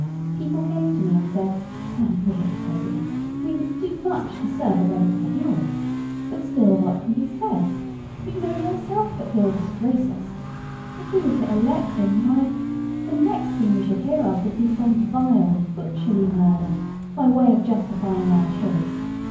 People came to me and said "Now really, President, we would do much to serve a relative of yours. But still, what can be said? You know yourself that he'll disgrace us. If we were to elect him, why, the next thing we should hear of would be some vile butcherly murder, by way of justifying our choice.